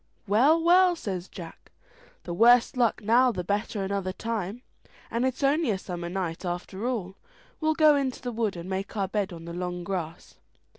"Well, well," says Jack, "the worse luck now the better another time, and it's only a summer night after all. We'll go into the wood, and make our bed on the long grass."